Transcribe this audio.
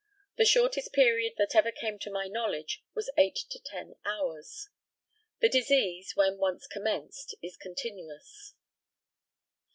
The shortest period that ever came to my knowledge was eight to ten hours. The disease, when once commenced, is continuous.